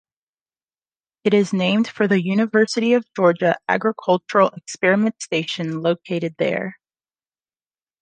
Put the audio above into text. It is named for the University of Georgia Agricultural Experiment Station located there.